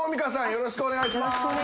よろしくお願いします。